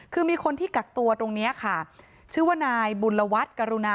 คือมีคนที่กักตัวตรงนี้ค่ะชื่อว่านายบุญลวัฒน์กรุณา